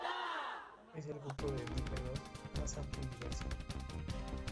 Es el grupo de dípteros más amplio y diverso.